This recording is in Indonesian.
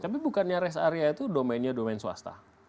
tapi bukannya rest area itu domainnya domain swasta